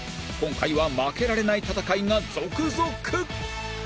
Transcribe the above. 今回は負けられない戦いが続々！